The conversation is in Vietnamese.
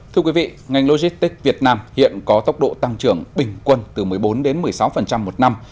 thưa quý vị ngành logistics việt nam hiện có tốc độ tăng trưởng bình quân từ một mươi bốn một mươi sáu một năm